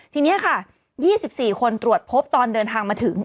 ทีนี้ค่ะ๒๔คนตรวจพบตอนเดินทางมาถึง